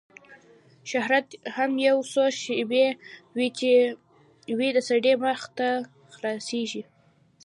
شهرت هم یو څو شېبې وي د سړي مخ ته ځلیږي